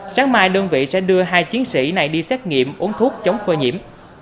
sáng mai đơn vị sẽ đưa hai chiến sĩ này đi xét nghiệm uống thuốc chống phơi nhiễm